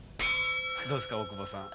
どうですか大久保さん？